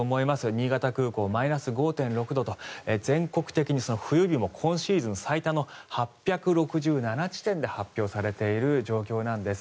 新潟空港マイナス５．６度と全国的に冬日も今シーズン最多の８６７地点で発表されている状況なんです。